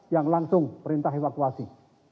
yang langsung perintah evakuasi